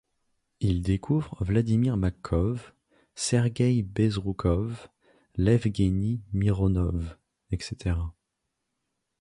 Il découvre Vladimir Machkov, Sergueï Bezroukov, Ievgueni Mironov, etc.